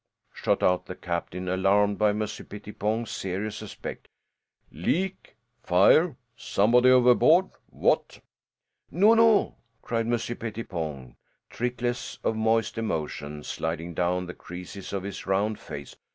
shot out the captain, alarmed by Monsieur Pettipon's serious aspect. "Leak? Fire? Somebody overboard? What?" "No, no!" cried Monsieur Pettipon, trickles of moist emotion sliding down the creases of his round face.